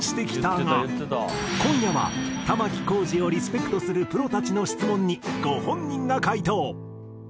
今夜は玉置浩二をリスペクトするプロたちの質問にご本人が回答。